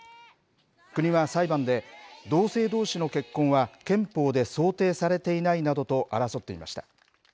国は裁判で、同性どうしの結婚は憲法で想定されていないなどと争っていました。